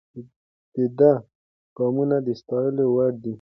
د ده ګامونه د ستایلو وړ دي.